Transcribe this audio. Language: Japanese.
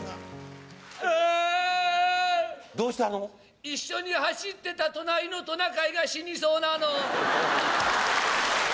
わーん、一緒に走ってた隣のトナカイが死にそうなの！